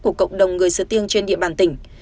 của cộng đồng người sơ tiêng trên địa bàn tỉnh